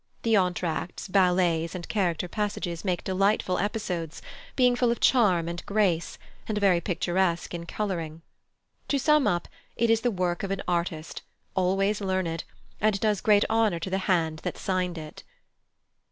The entr'actes, ballets, and character passages make delightful episodes, being full of charm and grace, and very picturesque in colouring. To sum up, it is the work of an artist, always learned, and does great honour to the hand that signed it."